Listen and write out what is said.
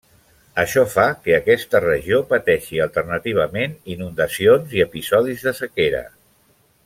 Això fa que aquesta regió pateixi alternativament inundacions i episodis de sequera.